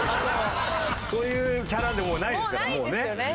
そういうキャラでもないですからもうね今。